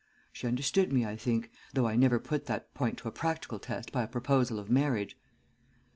She understood me, I think, though I never put that point to a practical test by a proposal of marriage.